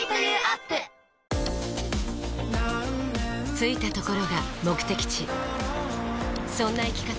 着いたところが目的地そんな生き方